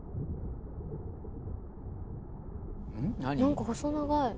何か細長い。